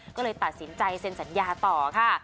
ก็เลยตัดสินใจเซ็นสัญญาต่อค่ะ